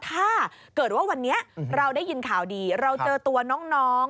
ถ้าเกิดว่าวันนี้เราได้ยินข่าวดีเราเจอตัวน้อง